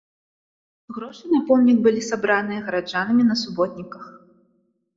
Грошы на помнік былі сабраныя гараджанамі на суботніках.